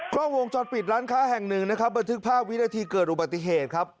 กล้องวงจรปิดร้านค้าแห่งหนึ่งนะครับบันทึกภาพวินาทีเกิดอุบัติเหตุครับ